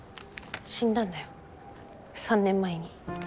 死んだんだよ３年前に。